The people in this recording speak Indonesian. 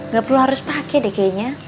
gak perlu harus pakai deh kayaknya